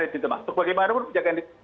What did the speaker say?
resit masuk bagaimanapun penjagaan resit